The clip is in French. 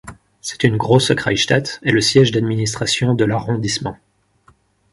C'est une Große Kreisstadt et le siège d'administration de l'arrondissement.